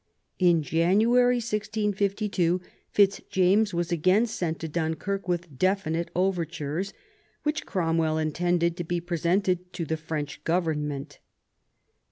In January 1652 Fitzjames was again sent to Dunkirk with definite overtures, which Cromwell in tended to be presented to the French government.